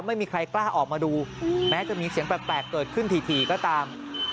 ไม่มีใครกล้าออกมาดูแม้จะมีเสียงแปลกเกิดขึ้นถี่ก็ตาม